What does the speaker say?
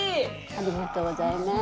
ありがとうございます。